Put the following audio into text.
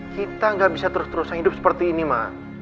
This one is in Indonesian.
ma kita gak bisa terus terusan hidup seperti ini ma